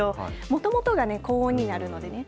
もともとが高温になるのでね。